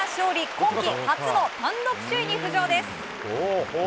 今期初の単独首位に浮上です。